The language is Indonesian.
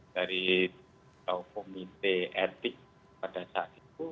dari komite etik pada saat itu